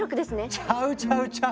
⁉ちゃうちゃうちゃう！